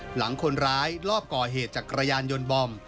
หลังคนร้ายรอบก่อเหตุจักรยานยนต์บอม